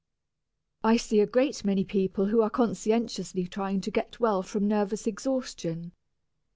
I see a great many people who are conscientiously trying to get well from nervous exhaustion.